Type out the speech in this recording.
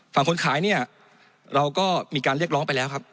คนขายเนี่ยเราก็มีการเรียกร้องไปแล้วครับ